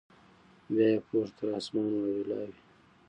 بیا یې پورته تر اسمانه واویلا وي